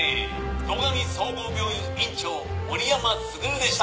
「堂上総合病院院長森山卓でした！」